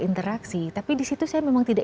interaksi tapi disitu saya memang tidak